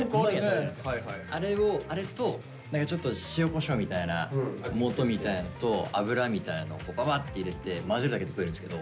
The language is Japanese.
あれをあれとちょっと塩こしょうみたいなもとみたいなのと油みたいのをババッて入れて混ぜるだけで食えるんですけど。